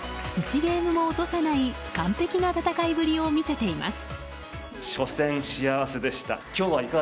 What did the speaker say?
１ゲームも落とさない完璧な戦いぶりを見せています。